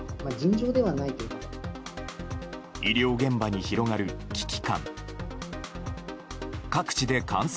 医療現場に広がる危機感。